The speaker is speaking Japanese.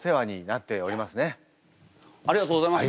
ありがとうございます。